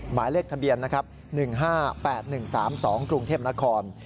หมายเลขทะเบียนนะครับ๑๕๘๑๓๒กรุงเทพนคร